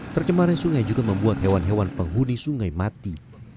tercemarnya sungai juga membuat hewan hewan penghuni sungai mati